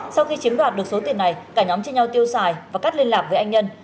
sau khi chiếm đoạt được số tiền này cả nhóm chia nhau tiêu xài và cắt liên lạc với anh nhân